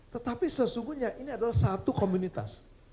tetapi sesungguhnya ini adalah satu komunitas